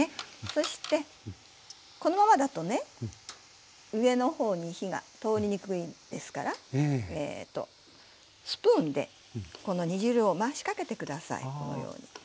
そしてこのままだとね上の方に火が通りにくいですからスプーンでこの煮汁を回しかけて下さいこのようにと。